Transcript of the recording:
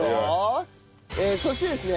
そしてですね